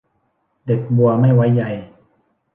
เด็ดบัวไม่ไว้ใย